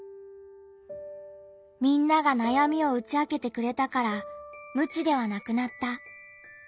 「みんなが悩みを打ち明けてくれたから無知ではなくなった」。